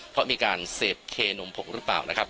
เพราะมีการเสพเคนมผกหรือเปล่านะครับ